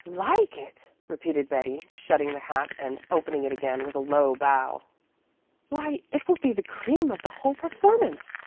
"Like it!" repeated Betty, shutting the hat and opening it again with a low bow. "Why it will be the cream of the whole performance.